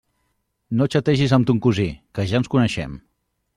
No xategis amb ton cosí, que ja ens coneixem!